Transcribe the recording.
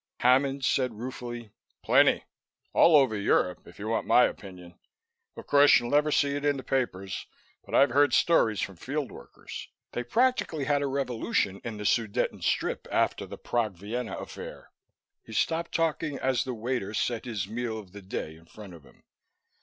Hammond said ruefully, "Plenty. All over Europe, if you want my opinion. Of course, you never see it in the papers, but I've heard stories from field workers. They practically had a revolution in the Sudeten strip after the Prague Vienna affair." He stopped talking as the waiter set his Meal of the Day in front of him.